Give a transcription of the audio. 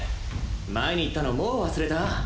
前に言ったのもう忘れた？